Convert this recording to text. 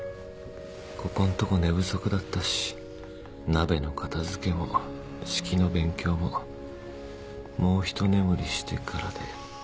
ここんとこ寝不足だったし鍋の片づけも指揮の勉強ももうひと眠りしてからで